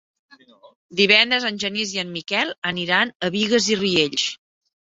Divendres en Genís i en Miquel aniran a Bigues i Riells.